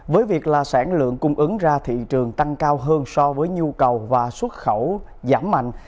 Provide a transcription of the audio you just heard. với việc là sản lượng cung ứng ra thị trường tăng cao hơn so với nhu cầu và xuất khẩu giảm mạnh